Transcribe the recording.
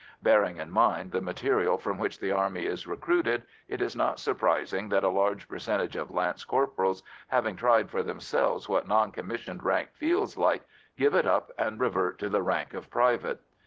Bearing in mind the material from which the Army is recruited, it is not surprising that a large percentage of lance corporals, having tried for themselves what non commissioned rank feels like, give it up and revert to the rank of private.